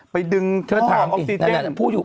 ไปดึงต่อนลึก